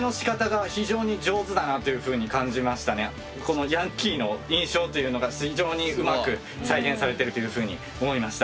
やっぱりこのヤンキーの印象というのが非常にうまく再現されてるというふうに思いました。